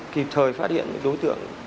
kịp thời phát hiện đối tượng